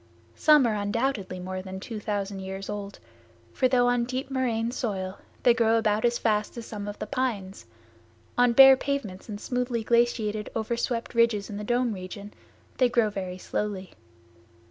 Some are undoubtedly more than 2000 years old, for though on deep moraine soil they grow about as fast as some of the pines, on bare pavements and smoothly glaciated, overswept ridges in the dome region they grow very slowly.